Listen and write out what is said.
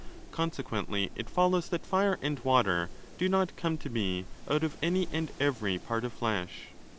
Consequently, it follows that Fire and Water do not come to be 'out of any and every part of flesh'.